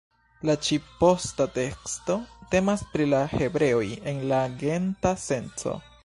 La ĉi-posta teksto temas pri la hebreoj en la genta senco.